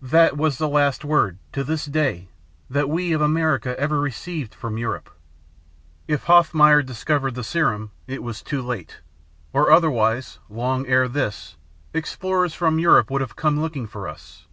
That was the last word, to this day, that we of America ever received from Europe. If Hoffmeyer discovered the serum, it was too late, or otherwise, long ere this, explorers from Europe would have come looking for us.